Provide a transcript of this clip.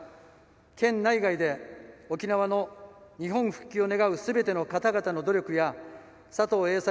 県内外で沖縄の日本復帰を願うすべての方々の努力や佐藤栄作